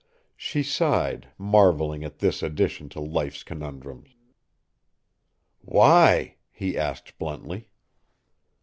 She sighed, marvelling at this addition to life's conundrums. "Why?" he asked, bluntly.